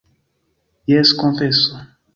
Jes, konfeso!